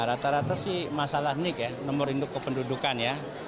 rata rata sih masalah nik ya nomor induk kependudukan ya